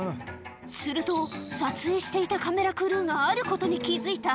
すると、撮影していたカメラクルーがあることに気付いた。